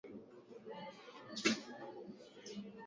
Fidel Castro alikuwa amebuni utambulisho wake kama mjamaa wa Caribean